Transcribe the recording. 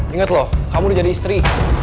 ingat loh kamu udah jadi istri